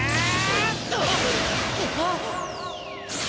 あっ！